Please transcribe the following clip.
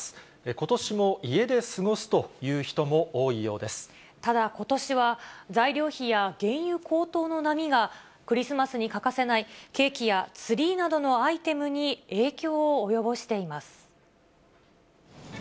ことしも家で過ごすという人も多ただ、ことしは材料費や原油高騰の波が、クリスマスに欠かせないケーキやツリーなどのアイテムに影響を及ぼしています。